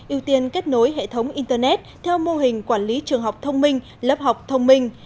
ưu tiên kết nối hệ thống internet theo mô hình quản lý trường học thông minh lớp học thông minh